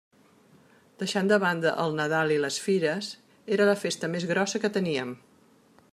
Deixant de banda el Nadal i les Fires, era la festa més grossa que teníem.